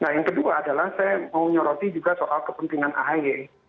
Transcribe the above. nah yang kedua adalah saya mau nyoroti juga soal kepentingan ahy